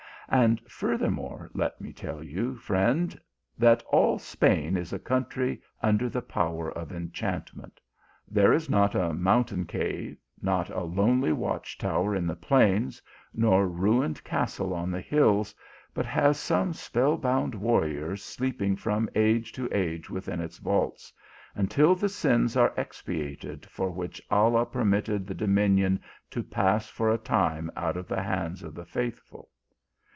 And furthermore let me tell you, friend, that all Spain is a country under the power of enchantment. There is not a mountain cave, not a lonely watch tower in the plains, nor ruined castle on the hills v but has some spell bound warriors sleeping from age to age within its vaults, until the sins are expiated for which Allah permitted the dominion to pass for a time out of the hands of the faithful.